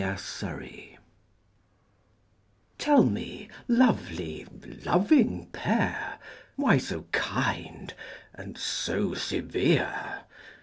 6 Autoplay Tell me, lovely, loving pair! Why so kind, and so severe?